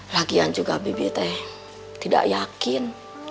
lagian juga bibit tidak yakin